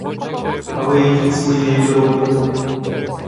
А ви ідіть своєю дорогою.